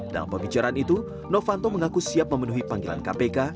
dalam pembicaraan itu novanto mengaku siap memenuhi panggilan kpk